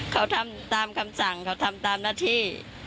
เขาทำตามคำสั่งเขาทำตามหน้าที่